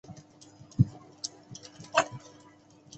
安氏河马长颌鱼的图片